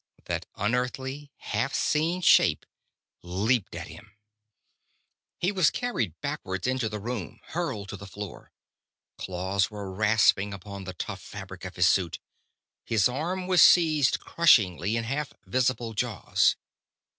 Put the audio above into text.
That unearthly, half seen shape leaped at him. He was carried backward into the room, hurled to the floor. Claws were rasping upon the tough fabric of his suit. His arm was seized crushingly in half visible jaws.